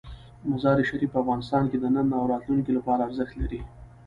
مزارشریف په افغانستان کې د نن او راتلونکي لپاره ارزښت لري.